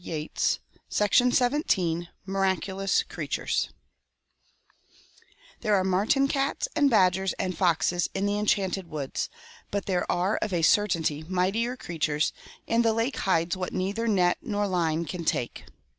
108 MIRACULOUS CREATURES Miraculous Creatures, There are marten cats and badgers and foxes in the Enchanted Woods, but there are of a certainty mightier creatures, and the lake hides what neither net nor line can take.